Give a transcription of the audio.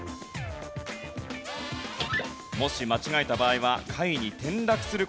もし間違えた場合は下位に転落する事になります。